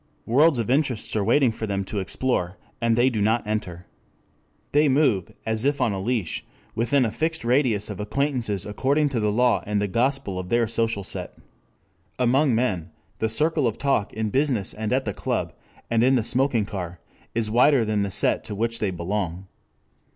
Worlds of interest are waiting for them to explore, and they do not enter. They move, as if on a leash, within a fixed radius of acquaintances according to the law and the gospel of their social set. Among men the circle of talk in business and at the club and in the smoking car is wider than the set to which they belong.